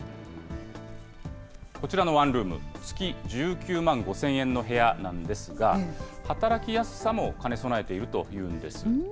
こちらのワンルーム、月１９万５０００円の部屋なんですが、働きやすさも兼ね備えているというんです。